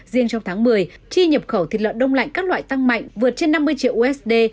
riêng trong tháng một mươi chi nhập khẩu thịt lợn đông lạnh các loại tăng mạnh vượt trên năm mươi triệu usd